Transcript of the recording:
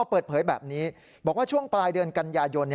เปิดเผยแบบนี้บอกว่าช่วงปลายเดือนกันยายน